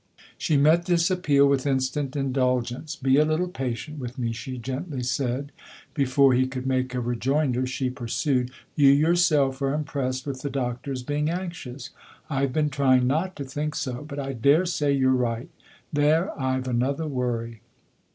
She met this appeal with instant indulgence. "Be a little patient with me," she gently said. Before he could make a rejoinder she pursued : "You yourself are impressed with the Doctor's being anxious. I've been trying not to think so, but I daresay you're right. There I've another worry.'